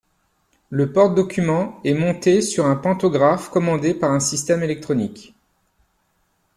Le porte document est monté sur un pantographe commandé par un système électronique.